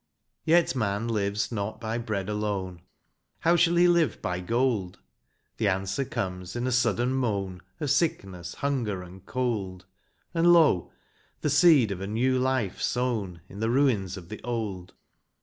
Yet man lives not by bread alone, — How shall he live by gold ? The answer comes in a sudden moan Of sickness, hunger, and cold ; And, lo ! the seed of a new life sown In the ruins of the old